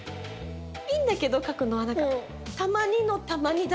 いいんだけど書くのは何か。